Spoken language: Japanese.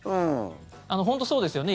本当そうですよね。